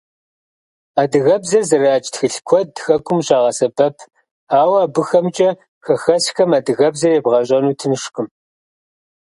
Адыгэбзэр зэрадж тхылъ куэд хэкум къыщагъэсэбэп, ауэ абыхэмкӀэ хэхэсхэм адыгэбзэр ебгъэщӀэну тыншкъым.